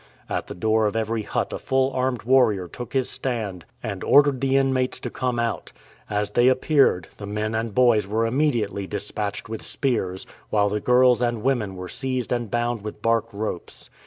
At the door of every hut a full armed warrior took his stand and ordered the inmates to come out. As they appeared, the men and boys were immediately dis patched with spears, while the girls and women were seized and bound with bark ropes.